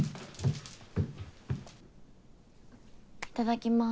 いただきます。